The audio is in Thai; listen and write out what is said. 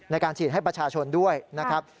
ในการฉีดให้ประชาชนด้วยนะครับ